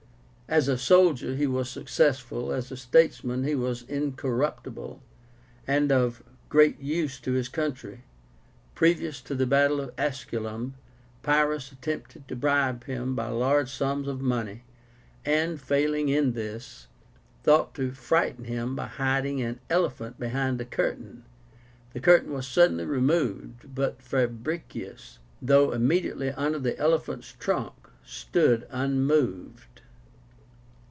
As a soldier he was successful. As a statesman he was incorruptible, and of great use to his country. Previous to the battle of Asculum, Pyrrhus attempted to bribe him by large sums of money, and, failing in this, thought to frighten him by hiding an elephant behind a curtain; the curtain was suddenly removed, but Fabricius, though immediately under the elephant's trunk, stood unmoved.